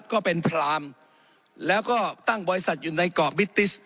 ก็เป็นพรามแล้วก็ตั้งบริษัทอยู่ในเกาะบิติส